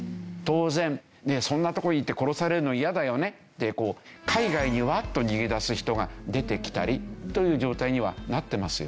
当然そんなところにいて殺されるの嫌だよねって海外にワッと逃げ出す人が出てきたりという状態にはなってますよね。